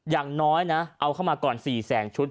อย่างน้อยนะเอาเข้ามาก่อน๔แสนชุด